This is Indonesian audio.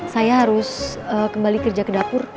saya harus kembali kerja ke dapur